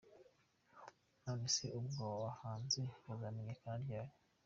None se ubwo abo bahanzi bazamenyekana ryari ?”.